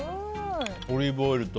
オリーブオイルと。